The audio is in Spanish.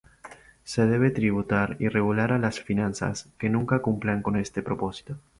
Se debe tributar y regular a las finanzas que no cumplan con este propósito.